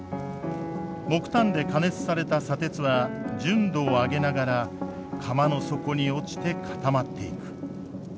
木炭で加熱された砂鉄は純度を上げながら釜の底に落ちて固まっていく。